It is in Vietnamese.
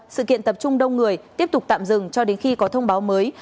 sự kiện tập trung đông người tiếp tục tạm dừng cho đến khi có thông báo mới